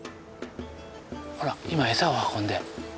ほら今餌を運んで。